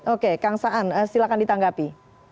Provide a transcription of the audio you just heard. oke kang saan silahkan ditanggapi